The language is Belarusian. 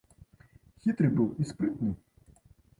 Хітры быў і спрытны.